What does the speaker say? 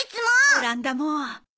オランダも。